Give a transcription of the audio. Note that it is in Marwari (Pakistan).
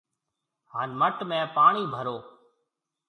هان مٽ ۾ پاڻِي ڀرو